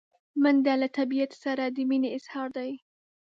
منډه له طبیعت سره د مینې اظهار دی